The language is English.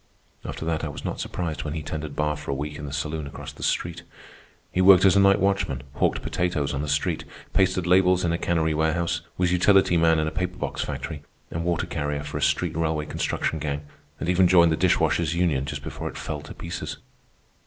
After that I was not surprised when he tended bar for a week in the saloon across the street. He worked as a night watchman, hawked potatoes on the street, pasted labels in a cannery warehouse, was utility man in a paper box factory, and water carrier for a street railway construction gang, and even joined the Dishwashers' Union just before it fell to pieces.